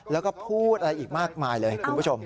แล้วก็พูดอะไรอีกมากมายเลยคุณผู้ชม